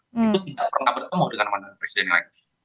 itu tidak pernah bertemu dengan mantan presiden lagi